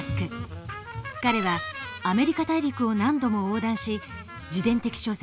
彼はアメリカ大陸を何度も横断し自伝的小説